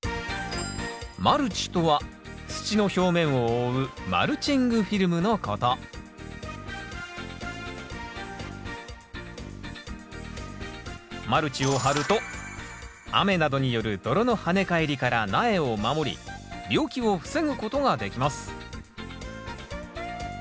マルチとは土の表面を覆うマルチングフィルムのことマルチを張ると雨などによる泥のはね返りから苗を守り病気を防ぐことができます